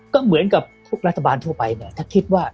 ก็เหมือนกับทุกรัฐบาลทั่วไปเนี่ยถ้าคิดว่า